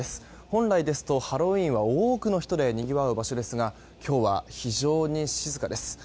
本来ですとハロウィーンは多くの人でにぎわう場所ですが今日は非常に静かです。